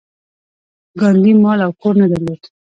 ګاندي مال او کور نه درلود.